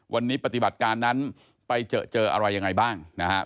วันนี้ปฏิบัติการนั้นไปเจอเจออะไรยังไงบ้างนะครับ